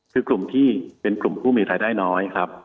คือกลุ่มที่เป็นกลุ่มผู้มีรายได้น้อยครับ